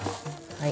はい。